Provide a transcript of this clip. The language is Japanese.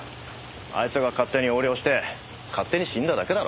あいつが勝手に横領して勝手に死んだだけだろ。